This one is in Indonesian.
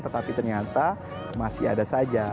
tetapi ternyata masih ada saja